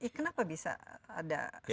eh kenapa bisa ada semacam